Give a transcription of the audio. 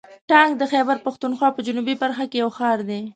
ټانک د خیبر پښتونخوا په جنوبي برخه کې یو ښار دی.